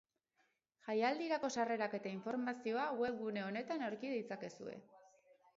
Jaialdirako sarrerak eta informazioa webgune honetan aurki ditzakezue.